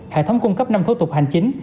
hệ thống cung cấp năm thủ tục hành chính